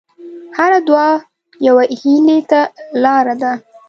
هره دعا یوه هیلې ته لاره ده.